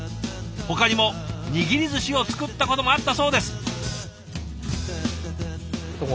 ほかにも握りずしを作ったこともあったそうです。